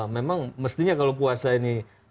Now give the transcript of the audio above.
memang mestinya kalau puasa ini